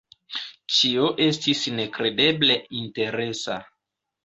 Ĉio estis nekredeble interesa.